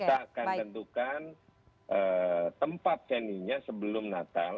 kita akan tentukan tempat venue nya sebelum natal